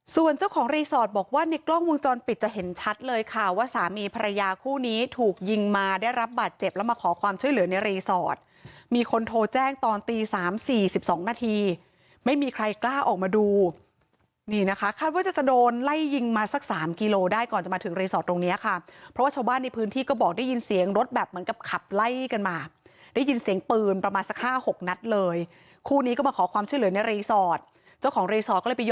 ส่วนเจ้าของรีสอร์ทบอกว่าในกล้องวงจรปิดจะเห็นชัดเลยค่ะว่าสามีภรรยาคู่นี้ถูกยิงมาได้รับบาดเจ็บแล้วมาขอความช่วยเหลือในรีสอร์ทมีคนโทรแจ้งตอนตี๓๔๒นาทีไม่มีใครกล้าออกมาดูนี่นะคะคาดว่าจะโดนไล่ยิงมาสัก๓กิโลได้ก่อนจะมาถึงรีสอร์ทตรงเนี้ยค่ะเพราะว่าชาวบ้านในพื้นที่ก็บ